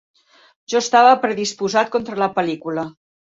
Jo estava predisposat contra la pel·lícula.